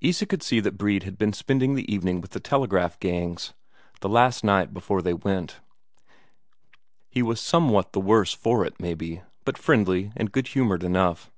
Isak could see that Brede had been spending the evening with the telegraph gangs, the last night before they went; he was somewhat the worse for it, maybe, but friendly and good humoured enough.